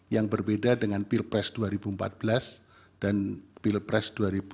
yang berbeda dengan pilpres dua ribu empat belas dan pilpres dua ribu sembilan belas